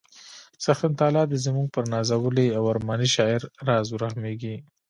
څښتن تعالی دې زموږ پر نازولي او ارماني شاعر راز ورحمیږي